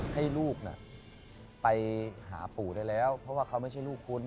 ให้ลูกน่ะไปหาปู่ได้แล้วเพราะว่าเขาไม่ใช่ลูกคุณ